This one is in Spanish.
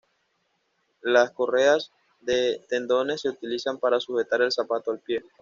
Las correas de tendones se utilizan para sujetar el zapato al pie.